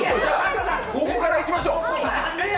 ここからいきましょう！